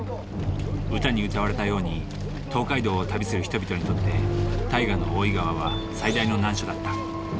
歌にうたわれたように東海道を旅する人々にとって大河の大井川は最大の難所だった。